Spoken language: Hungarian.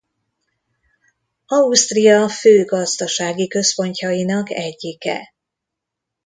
Ausztria fő gazdasági központjainak egyike.